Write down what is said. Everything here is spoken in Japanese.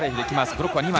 ブロックは２枚。